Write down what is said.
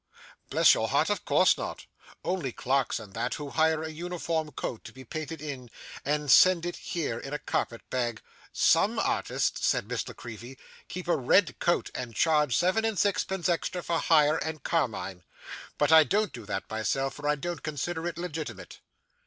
'Bless your heart, of course not; only clerks and that, who hire a uniform coat to be painted in, and send it here in a carpet bag. Some artists,' said Miss La Creevy, 'keep a red coat, and charge seven and sixpence extra for hire and carmine; but I don't do that myself, for I don't consider it legitimate.